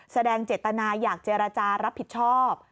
แสดงเจตนาอยากเจรจารับผิดชอบ